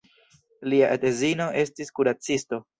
Lia edzino estis kuracisto.